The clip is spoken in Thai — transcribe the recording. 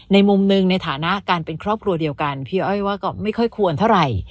มุมหนึ่งในฐานะการเป็นครอบครัวเดียวกันพี่อ้อยว่าก็ไม่ค่อยควรเท่าไหร่